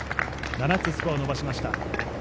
７つスコアを伸ばしました。